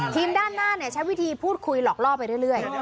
ทีมด้านหน้าอาเชพีทพูดคุยหลอกไปเรื่อย